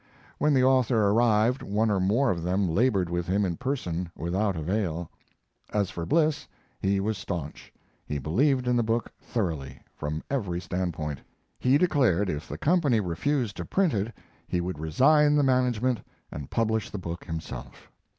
When the author arrived one or more of them labored with him in person, without avail. As for Bliss, he was stanch; he believed in the book thoroughly, from every standpoint. He declared if the company refused to print it he would resign the management and publish the book himself.